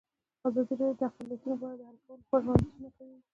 ازادي راډیو د اقلیتونه په اړه د حل کولو لپاره وړاندیزونه کړي.